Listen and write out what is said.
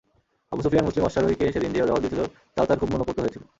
Abu Sufyan মুসলিম অশ্বারোহীকে সেদিন যে জবাব দিয়েছিল তাও তার খুব মনঃপূত হয়েছিল।